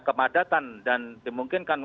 kemadatan dan dimungkinkan